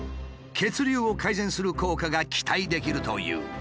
血流を改善する効果が期待できるという。